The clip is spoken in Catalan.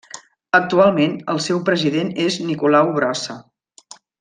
Actualment, el seu president és Nicolau Brossa.